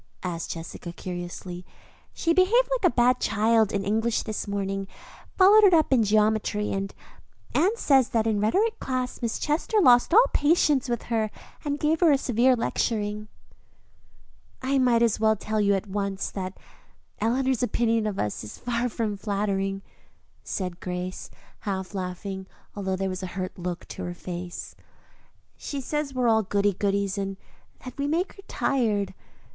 asked Jessica curiously. "She behaved like a bad child in English this morning, followed it up in geometry; and Anne says that in rhetoric class Miss Chester lost all patience with her and gave her a severe lecturing." "I might as well tell you at once that Eleanor's opinion of us is far from flattering," said Grace, half laughing, although there was a hurt look on her face. "She says we are all goody goodies and that we make her tired.